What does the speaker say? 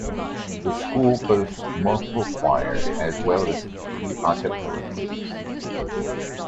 The school boasts multiple choirs, as well as three a cappella groups.